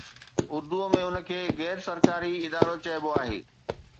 اردوءَ ۾ انهن کي غير سرڪاري ادارو چئبو آهي.